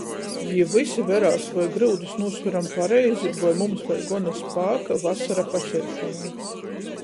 Jī vysi verās, voi gryudus nūsveram pareizi, voi mums vēļ gona spāka vasara paceļšonai.